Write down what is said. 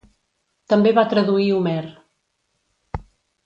També va traduir Homer.